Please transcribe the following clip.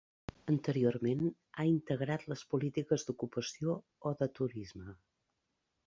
Anteriorment ha integrat les polítiques d'ocupació o de turisme.